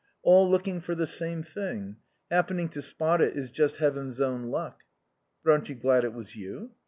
All looking for the same thing. Happening to spot it is just heaven's own luck." "But aren't you glad it was you?"